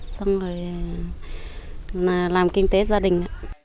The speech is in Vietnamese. xong rồi làm kinh tế gia đình